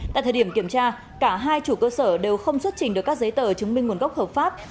tại thời điểm kiểm tra cả hai chủ cơ sở đều không xuất trình được các giấy tờ chứng minh nguồn gốc hợp pháp